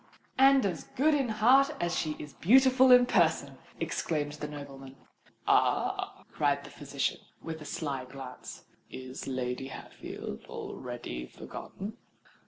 "And as good in heart as she is beautiful in person," exclaimed the nobleman. "Ah!" cried the physician, with a sly glance: "is Lady Hatfield already forgotten?"